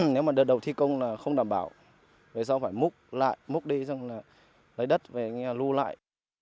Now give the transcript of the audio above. nếu mà đợt đầu thi công là không đảm bảo vì sao phải múc lại múc đi xong lấy đất về lưu lại